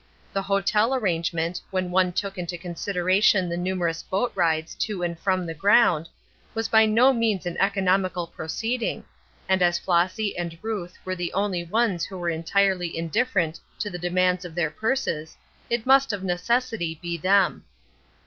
The hotel arrangement, when one took into consideration the numerous boat rides to and from the ground, was by no means an economical proceeding, and as Flossy and Ruth were the only ones who were entirely indifferent to the demands of their purses, it must of necessity be them.